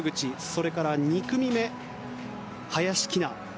それから２組目に林希菜。